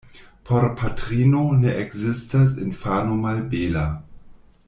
Por patrino ne ekzistas infano malbela.